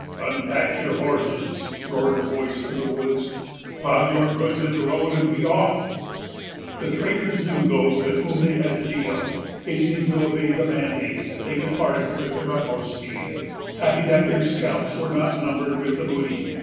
"Unpack your horses," roared a voice from the woods, "pile your goods in the road, and be off." The traders knew those with whom they had to deal. Hastening to obey the mandate, they departed with their utmost speed, happy that their scalps were not numbered with the booty.